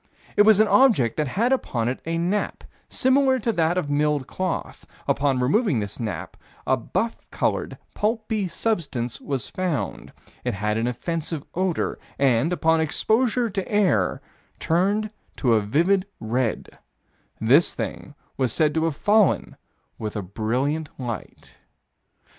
It was an object that had upon it a nap, similar to that of milled cloth. Upon removing this nap, a buff colored, pulpy substance was found. It had an offensive odor, and, upon exposure to the air, turned to a vivid red. This thing was said to have fallen with a brilliant light.